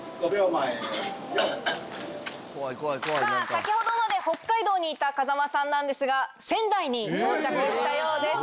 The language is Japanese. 先ほどまで北海道にいた風間さんなんですが仙台に到着したようです。